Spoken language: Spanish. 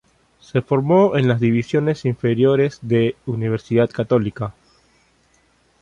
Se formó en las divisiones inferiores de Universidad Católica.